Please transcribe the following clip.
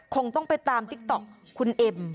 คงต้องไปตามติ๊กต๊อกคุณเอ็ม